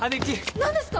何ですか？